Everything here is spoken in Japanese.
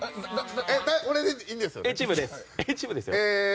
俺でいいんです？